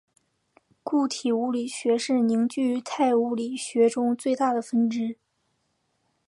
固体物理学是凝聚态物理学中最大的分支。